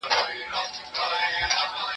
ورته ژاړه چي له حاله دي خبر سي